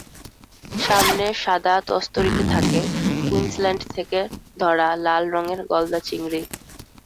সামনের সাদা তস্তরিতে থাকে কুইন্সল্যান্ড থেকে ধরা লাল রঙের গলদা চিংড়ি।